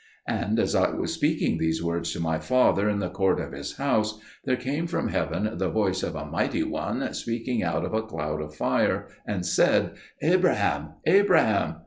And as I was speaking these words to my father in the court of his house, there came from heaven the voice of a Mighty One speaking out of a cloud of fire, and said, "Abraham, Abraham!"